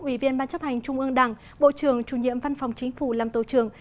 ủy viên ban chấp hành trung ương đảng bộ trưởng chủ nhiệm văn phòng chính phủ lâm tổ trưởng